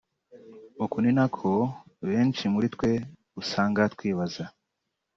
uko ni nako benshi muri twe usanga twibaza